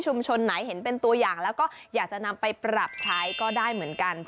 ไหนเห็นเป็นตัวอย่างแล้วก็อยากจะนำไปปรับใช้ก็ได้เหมือนกัน